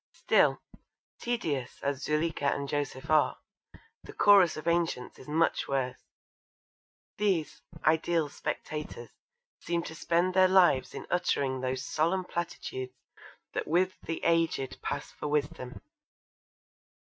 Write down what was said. Still, tedious as Zuleekha and Joseph are, the Chorus of Ancients is much worse. These 'ideal spectators' seem to spend their lives in uttering those solemn platitudes that with the aged pass for wisdom.